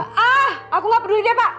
ah aku gak perlu deh pak